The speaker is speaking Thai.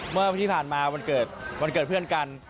เมื่อที่ผ่านมาวันเกิดวันเกิดเพื่อนกัน